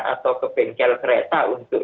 atau ke bengkel kereta untuk